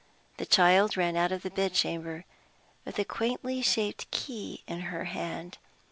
The child ran out of the bed chamber, with a quaintly shaped key in her hand.